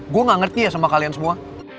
gue gak ngerti ya sama kalian semua